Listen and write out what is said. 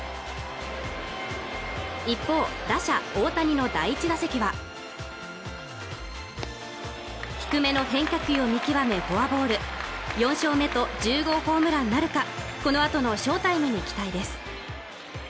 一方打者大谷の第１打席は低めの変化球を見極めフォアボール４勝目と１０号ホームランなるかこのあとの翔タイムに期待です